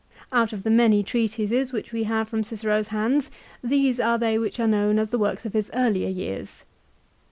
Out of the many treatises which we have from Cicero's hands these are they which are known as the works of his earlier years.